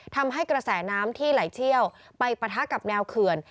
ทำให้กระแสน้ำที่ไหลเชี่ยวไปปะทะกับแนวเขื่อน